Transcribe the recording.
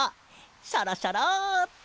シャラシャラって！